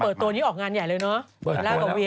พอเปิดตัวนี้ออกงานใหญ่เลยเนาะเวีย